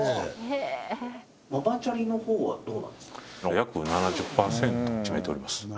約７０％占めております